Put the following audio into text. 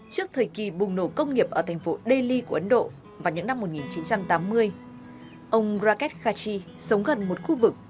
trước thời kỳ bùng nổ công nghiệp ở thành phố delhi của ấn độ vào những năm một nghìn chín trăm tám mươi ông raket khachi sống gần một khu vực